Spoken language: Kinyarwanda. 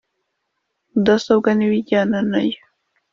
Mudasobwa n ibijyana na yo